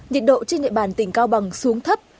nhiệt độ trên địa bàn tỉnh cao bằng xuống thấp